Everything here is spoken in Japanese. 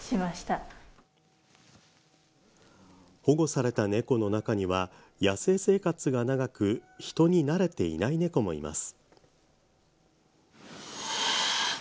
保護された猫の中には野生生活が長く人に慣れていない猫もいます。